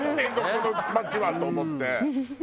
この街はと思って。